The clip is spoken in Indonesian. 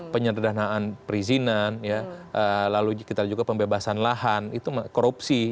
penyederhanaan perizinan lalu kita juga pembebasan lahan itu korupsi